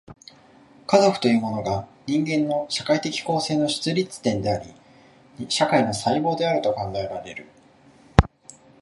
家族というものが、人間の社会的構成の出立点であり、社会の細胞と考えられる。